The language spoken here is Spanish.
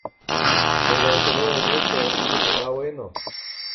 pero solo debemos esperar a que se ponga bueno.